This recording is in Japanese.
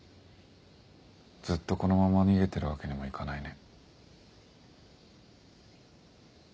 ずっとこのまま逃げてるわけにもいかないね。